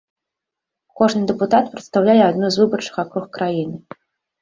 Кожны дэпутат прадстаўляе адну з выбарчых акруг краіны.